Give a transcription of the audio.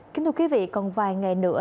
kính thưa quý vị còn vài ngày nữa